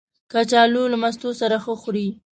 کچالو له مستو سره ښه خوري